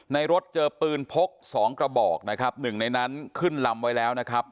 ในรถเจอปืนพกสองกระบอกนะครับหนึ่งในนั้นขึ้นลำไว้แล้วนะครับ